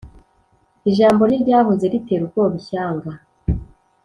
Ijambo rye ryahoze ritera ubwoba ishyanga